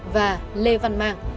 và lê văn mang